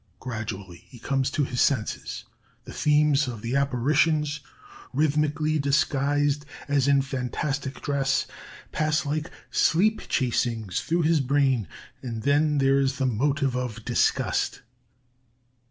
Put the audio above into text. Gradually he comes to his senses, the themes of the apparitions, rhythmically disguised as in fantastic dress, pass like sleep chasings through his brain, and then there is the motive of 'Disgust.'